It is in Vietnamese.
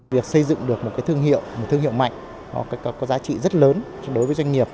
việc xây dựng được một thương hiệu mạnh có giá trị rất lớn đối với doanh nghiệp